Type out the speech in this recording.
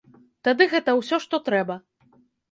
Тады гэта ўсё, што трэба.